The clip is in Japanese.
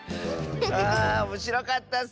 あおもしろかったッス！